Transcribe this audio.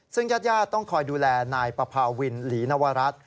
ซึ่งญาติญาติต้องคอยดูแลนายปภาวินหลีนวรัฐ